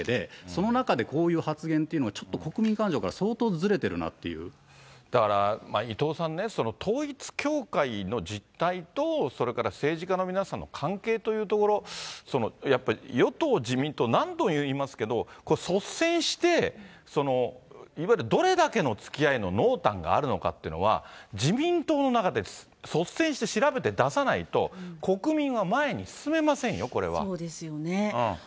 その中でこういう発言っていうのは、ちょっと国民感情から相当ずだから伊藤さんね、統一教会の実態と、それから政治家の皆さんの関係というところ、やっぱり与党・自民党、何度も言いますけども、率先していわゆるどれだけのつきあいの濃淡があるのかっていうのは、自民党の中で率先して調べて出さないと、国民は前に進めませんよ、そうですよね。